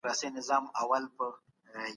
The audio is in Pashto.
بهرنۍ پالیسي د هیواد لپاره د سیاسي بقا وسیله ده.